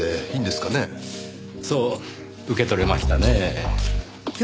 そう受け取れましたねぇ。